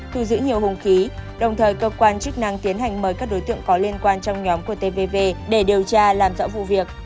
thu giữ nhiều hùng khí đồng thời cơ quan chức năng tiến hành mời các đối tượng có liên quan trong nhóm của tv về để điều tra làm rõ vụ việc